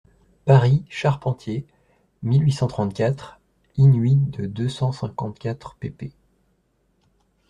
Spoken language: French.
Paris, Charpentier, mille huit cent trente-quatre, in-huit de deux cent cinquante-quatre pp.